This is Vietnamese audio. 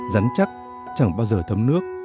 rắn chắc chẳng bao giờ thấm nước